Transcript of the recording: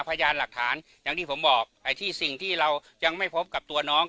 พยานหลักฐานอย่างที่ผมบอกไอ้ที่สิ่งที่เรายังไม่พบกับตัวน้อง